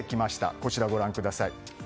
こちらご覧ください。